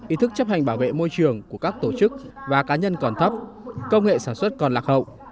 ý thức chấp hành bảo vệ môi trường của các tổ chức và cá nhân còn thấp công nghệ sản xuất còn lạc hậu